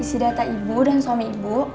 isi data ibu dan suami ibu